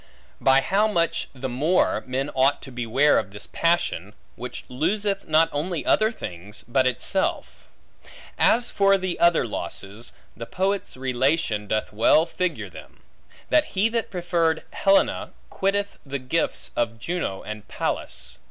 By how much the more, men ought to beware of this passion, which loseth not only other things, but itself! As for the other losses, the poet's relation doth well figure them: that he that preferred Helena, quitted the gifts of Juno and Pallas.